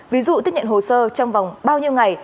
ví dụ tiếp nhận hồ sơ trong vòng bao nhiêu ngày